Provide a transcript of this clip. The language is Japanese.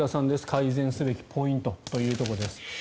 改善すべきポイントというところです。